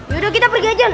yaudah kita pergi aja